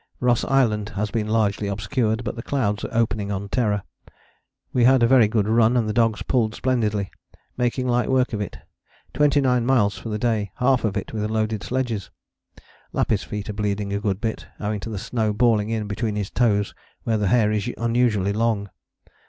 Ross Island has been largely obscured, but the clouds are opening on Terror. We had a very good run and the dogs pulled splendidly, making light work of it: 29 miles for the day, half of it with loaded sledges! Lappy's feet are bleeding a good bit, owing to the snow balling in between his toes where the hair is unusually long.